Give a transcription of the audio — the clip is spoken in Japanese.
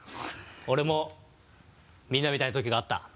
俺もみんなみたいな時があった。